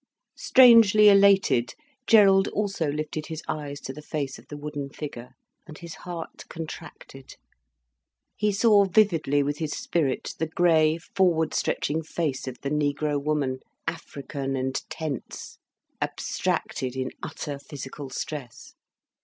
Strangely elated, Gerald also lifted his eyes to the face of the wooden figure. And his heart contracted. He saw vividly with his spirit the grey, forward stretching face of the negro woman, African and tense, abstracted in utter physical stress.